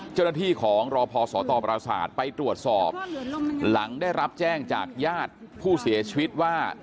เจ้าหน้าที่ของรอพอสตปราศาสตร์ไปตรวจสอบหลังได้รับแจ้งจากญาติผู้เสียชีวิตว่า